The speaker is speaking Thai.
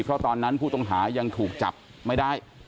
เพราะตอนนั้นผู้ต้องหายังถูกจับไม่ได้